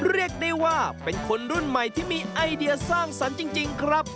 เรียกได้ว่าเป็นคนรุ่นใหม่ที่มีไอเดียสร้างสรรค์จริงครับ